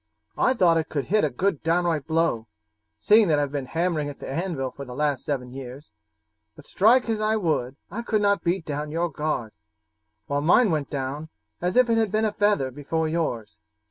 I thought that I could hit a good downright blow, seeing that I have been hammering at the anvil for the last seven years; but strike as I would I could not beat down your guard, while mine went down, as if it had been a feather, before yours.